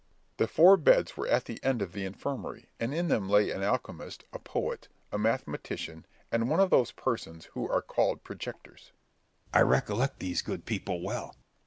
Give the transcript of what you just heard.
Berg. The four beds were at the end of the infirmary, and in them lay an alchemist, a poet, a mathematician, and one of those persons who are called projectors. Scip. I recollect these good people well.